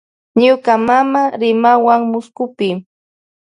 Ñuka mama rimawun muskupi.